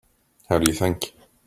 How do you think?